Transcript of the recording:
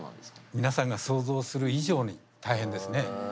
皆さんが想像する以上に大変ですね。